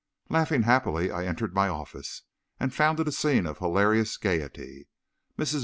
Laughing happily, I entered my office, and found it a scene of hilarious gayety. Mrs.